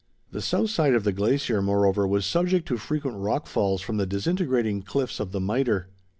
The south side of the glacier, moreover, was subject to frequent rock falls from the disintegrating cliffs of the Mitre.